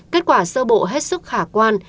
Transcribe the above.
kết quả sơ bộ hết sức khả quan